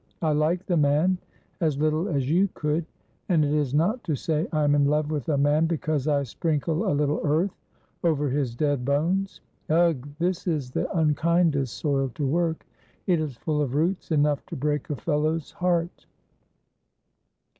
I liked the man as little as you could; and it is not to say I am in love with a man because I sprinkle a little earth over his dead bones. Ugh! This is the unkindest soil to work. It is full of roots, enough to break a fellow's heart."